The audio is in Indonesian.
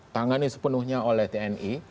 tangani sepenuhnya oleh tni